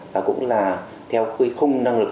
và cũng là theo khung năng lực